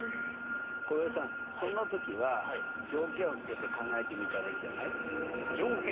浩平さんそんな時は条件をつけて考えてみたらいいんじゃない？条件？